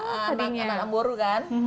anak anak baru kan